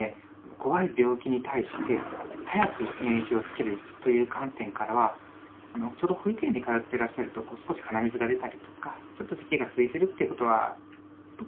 怖い病気に対して早く免疫をつけるという観点からはちょうど保育園に通ってらっしゃると少し鼻水が出たりとかちょっとせきが続いてるっていうことは特にあると思うんですよね。